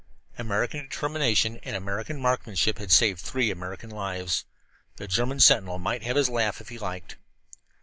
American determination and American marksmanship had saved three American lives. The German sentinel might have his laugh if he liked.